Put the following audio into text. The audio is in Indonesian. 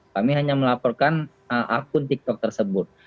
kami hanya melaporkan akun tiktok tersebut